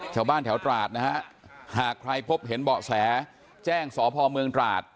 ชาวบ้านแถวตราดนะฮะหากใครพบเห็นเบาะแสแจ้งสพเมืองตราด